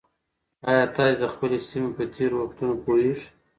ایا تاسي د خپلې سیمې په تېرو وختونو پوهېږئ؟